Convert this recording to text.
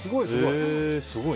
すごい。